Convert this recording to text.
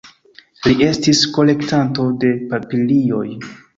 Li estis kolektanto de papilioj.